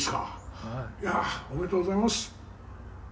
「いやーおめでとうございます」